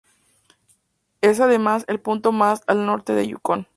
Es además el punto más al norte de Yukón.